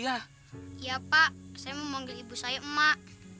iya pak saya memanggil ibu saya emak